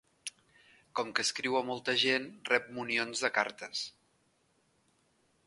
Com que escriu a molta gent rep munions de cartes.